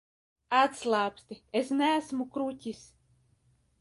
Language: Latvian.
Atslābsti, es neesmu kruķis.